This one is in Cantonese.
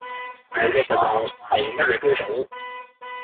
你嘅實用係乜嘢標準